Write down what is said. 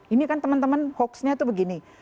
ini kan teman teman hoaxnya itu begini